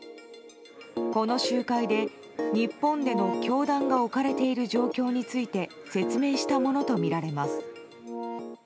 この集会で日本での教団が置かれている状況について説明したものとみられます。